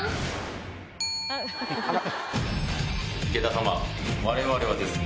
池田様我々はですね